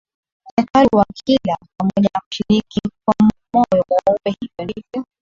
hekalu wakila pamoja na kushiriki kwa moyo mweupe Hivyo ndivyo